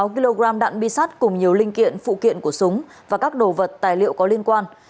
sáu kg đạn bi sắt cùng nhiều linh kiện phụ kiện của súng và các đồ vật tài liệu có liên quan